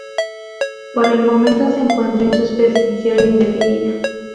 Por el momento se encuentra en suspensión indefinida.